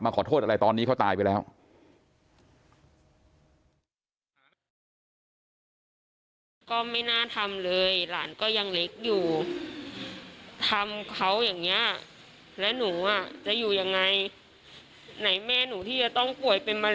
ขอโทษอะไรตอนนี้เขาตายไปแล้ว